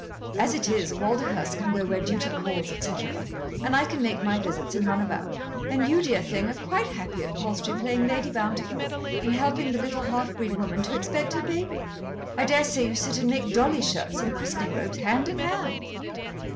As it is, Walderhurst, can go where duty calls, etc., and I can make my visits and run about, and you, dear thing, are quite happy at Palstrey playing Lady Bountiful and helping the little half breed woman to expect her baby. I daresay you sit and make dolly shirts and christening robes hand in hand."